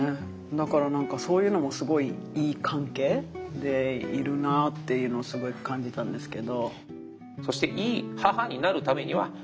だから何かそういうのもすごいいい関係でいるなっていうのをすごい感じたんですけど。